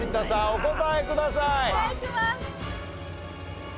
お答えください。